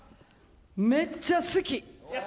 めっちゃ好き！